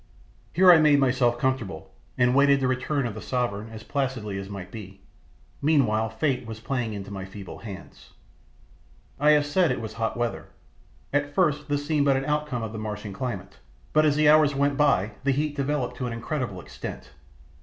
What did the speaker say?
Here I made myself comfortable, and awaited the return of the sovereign as placidly as might be. Meanwhile fate was playing into my feeble hands. I have said it was hot weather. At first this seemed but an outcome of the Martian climate, but as the hours went by the heat developed to an incredible extent.